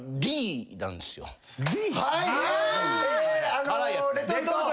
はい！